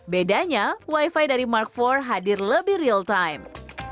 bedanya wi fi dari mark iv hadir lebih real time